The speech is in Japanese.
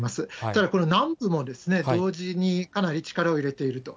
ただ、この南部も同時にかなり力を入れていると。